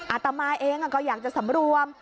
อาตมาเองก็อยากจะสำรวม